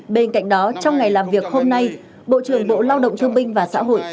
bên cạnh đó trong ngày làm việc hôm nay bộ trưởng bộ lao động thương binh và xã hội